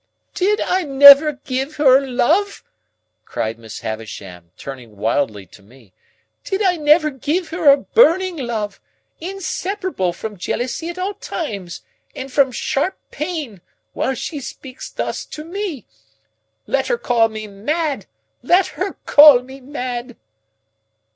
"Did I never give her love!" cried Miss Havisham, turning wildly to me. "Did I never give her a burning love, inseparable from jealousy at all times, and from sharp pain, while she speaks thus to me! Let her call me mad, let her call me mad!"